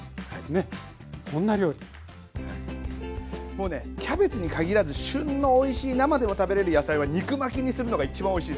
もうねキャベツにかぎらず旬のおいしい生でも食べれる野菜は肉巻きにするのが一番おいしいです。